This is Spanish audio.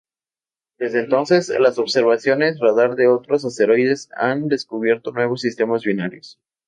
Desde entonces las observaciones radar de otros asteroides han descubierto nuevos sistemas binarios.